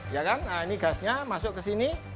ya kan ini gasnya masuk ke sini